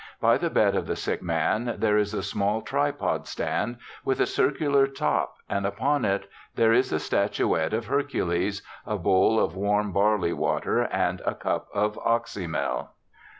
By the bed of the sick man, there is a small tripod stand, with a circular top, and upon it there is a statuette of Hercules, a bowl of warm barley water, and a cup of oxymel.